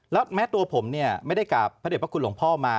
แล้วแม้ตัวผมเนี่ยไม่ได้กราบพระเด็จพระคุณหลวงพ่อมา